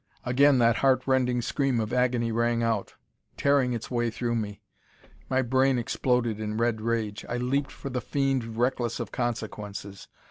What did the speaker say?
Again that heart rending scream of agony rang out, tearing its way through me. My brain exploded in red rage. I leaped for the fiend, reckless of consequences.